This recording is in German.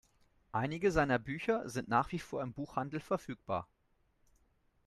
Einige seiner Bücher sind nach wie vor im Buchhandel verfügbar.